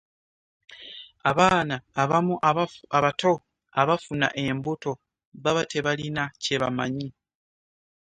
abaana abamu abato abafuna embuto baba tebalina kye bamanyi.